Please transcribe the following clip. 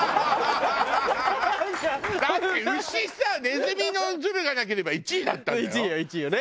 ネズミのズルがなければ１位だったんだよ？